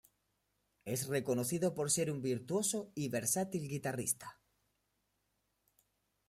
Es reconocido por ser un virtuoso y versátil guitarrista.